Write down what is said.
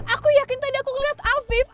aku yakin tadi aku ngeliat afif